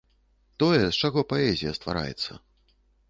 Тое, з чаго паэзія ствараецца.